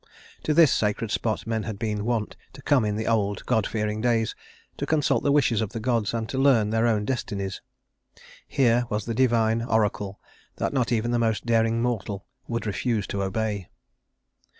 To this sacred spot men had been wont to come in the old, god fearing days to consult the wishes of the gods and to learn their own destinies. Here was the divine oracle that not even the most daring mortal would refuse to obey.